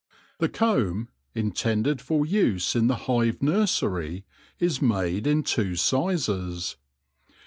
The comb, intended for use in the hive nursery, is made in two sizes.